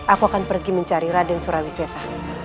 aku akan pergi mencari raden surawi sesa